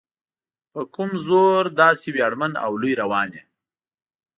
په کوم زور داسې ویاړمن او لوی روان یې؟